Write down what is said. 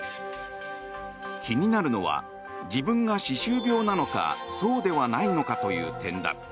気になるのは自分が歯周病なのかそうではないのかという点だ。